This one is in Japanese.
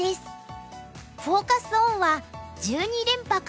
フォーカス・オンは「１２連覇か！？